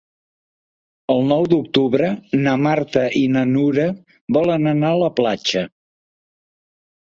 El nou d'octubre na Marta i na Nura volen anar a la platja.